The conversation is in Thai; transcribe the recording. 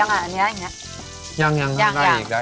อุ๊ยดี